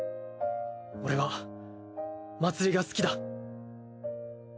俺はまつりが好きだ！